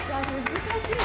難しい。